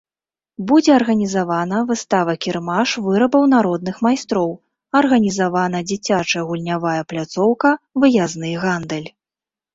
Будзе арганізавана выстава-кірмаш вырабаў народных майстроў, арганізавана дзіцячая гульнявая пляцоўка, выязны гандаль.